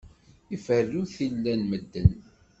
Iferru tilla n medden.